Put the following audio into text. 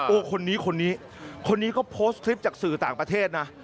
คนนี้คนนี้คนนี้คนนี้ก็โพสต์คลิปจากสื่อต่างประเทศนะ